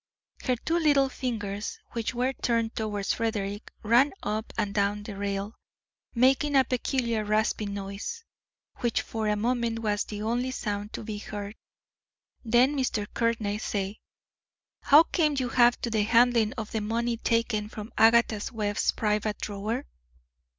Her two little fingers, which were turned towards Frederick, ran up and down the rail, making a peculiar rasping noise, which for a moment was the only sound to be heard. Then Mr. Courtney said: "How came you to have the handling of the money taken from Agatha Webb's private drawer?"